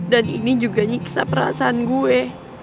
dan ini juga nyiksa perasaan gue